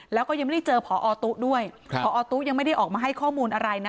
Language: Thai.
แล้วก็ยังไม่ได้เจอพอตุ๊ด้วยพอตุ๊ยังไม่ได้ออกมาให้ข้อมูลอะไรนะ